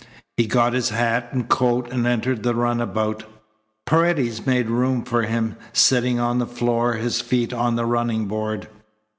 He got his hat and coat and entered the runabout, Paredes made room for him, sitting on the floor, his feet on the running board.